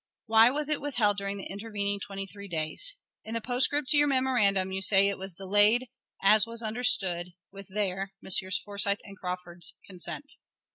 Why was it withheld during the intervening twenty three days? In the postscript to your memorandum you say it "was delayed, as was understood, with their (Messrs. Forsyth and Crawford's) consent."